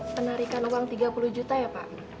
penarikan uang tiga puluh juta ya pak